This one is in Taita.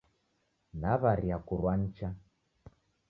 Naw'aria kurwa nicha.